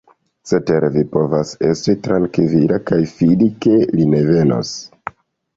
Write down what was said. Cetere vi povas esti trankvila, kaj fidi ke li ne venos.